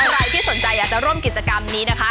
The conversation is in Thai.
เวลาใครที่สนใจจะร่วมกิจกรรมนี้นะคะ